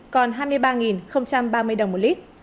còn hai mươi ba ba mươi đồng một lít